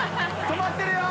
止まってるよ！